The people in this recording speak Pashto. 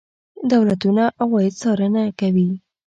دولتونه عواید څارنه کوي.